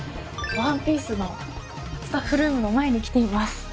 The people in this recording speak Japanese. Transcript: ＯＮＥＰＩＥＣＥのスタッフルームの前に来ています。